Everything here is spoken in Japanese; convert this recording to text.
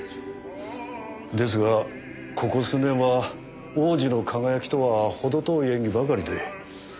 ですがここ数年は往時の輝きとはほど遠い演技ばかりで。